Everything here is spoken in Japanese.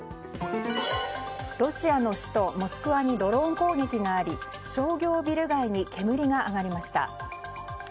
ロシアの首都モスクワにドローン攻撃があり商業ビル街に煙が上がりました。